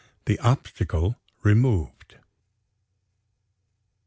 THE OBSTACLE REMOVED.